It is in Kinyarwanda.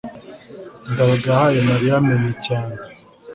ndabaga yahaye mariya menu cyane